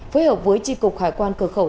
phối hợp với tri cục hải quan cửa khẩu